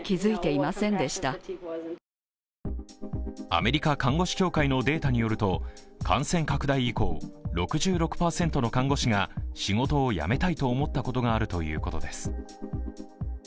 アメリカ・看護師協会のデータによると、感染拡大以降６６％の看護師が仕事を辞めたいと思ったことがあるということです。